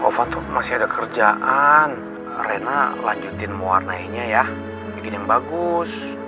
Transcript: ovan tuh masih ada kerjaan rhena lanjutin mau warnainya ya bikin yang bagus